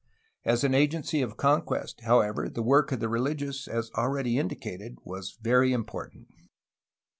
As an agency of conquest, however, the work of the religious, as already indicated, was very important.